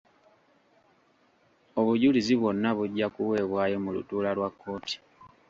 Obujulizi bwonna bujja kuweebwayo mu lutuula lwa kkooti.